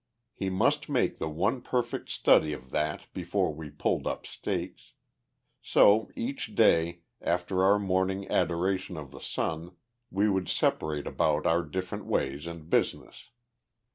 He must make the one perfect study of that before we pulled up stakes. So, each day, after our morning adoration of the sun, we would separate about our different ways and business.